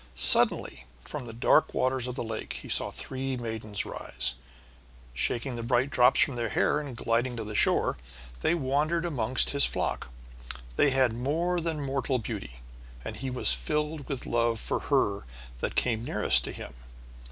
Suddenly, from the dark waters of the lake, he saw three maidens rise. Shaking the bright drops from their hair and gliding to the shore they wandered about amongst his flock. They had more than mortal beauty, and he was filled with love for her that came nearest to him.